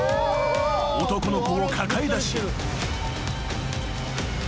［男の子を抱えだし］